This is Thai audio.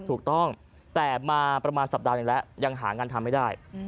ถูกต้องแต่มาประมาณสัปดาห์หนึ่งแล้วยังหางานทำไม่ได้